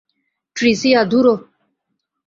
ট্রিসিয়া, ধুরো।